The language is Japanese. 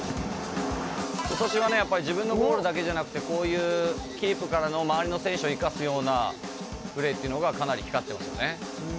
今年はねやっぱり自分のゴールだけじゃなくてこういうキープからの周りの選手を生かすようなプレーっていうのがかなり光ってますよね。